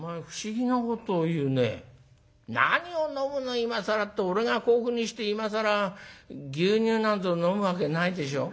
今更って俺がこういうふうにして今更牛乳なんぞ飲むわけないでしょ。